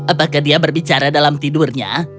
apakah dia berbicara dalam tidurnya